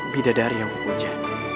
bidadari yang kupuja